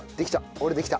俺できた。